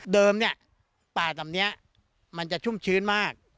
เนี่ยป่าลำนี้มันจะชุ่มชื้นมาก